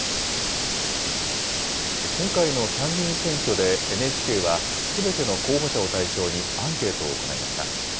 今回の参議院選挙でＮＨＫは、すべての候補者を対象にアンケートを行いました。